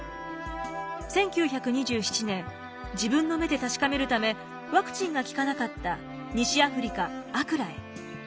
１９２７年自分の目で確かめるためワクチンが効かなかった西アフリカアクラへ。